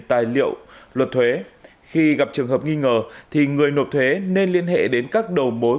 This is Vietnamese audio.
tài liệu luật thuế khi gặp trường hợp nghi ngờ thì người nộp thuế nên liên hệ đến các đầu mối